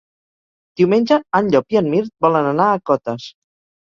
Diumenge en Llop i en Mirt volen anar a Cotes.